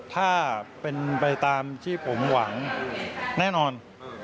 ถ้าเป็นไปตามที่ผมหวังแน่นอน